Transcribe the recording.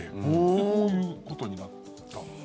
こういうことになったんですよ。